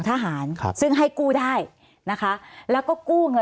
สวัสดีครับทุกคน